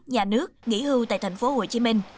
nhà nước nghỉ hưu tại tp hcm